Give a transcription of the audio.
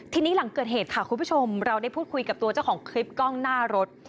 ทีนี้หลังเกิดเหตุค่ะคุณผู้ชมเราได้พูดคุยกับตัวเจ้าของคลิปกล้องหน้ารถ